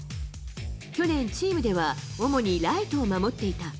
去年、チームでは主にライトを守っていた。